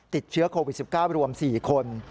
ติดเชื้อโควิด๑๙รวม๔คน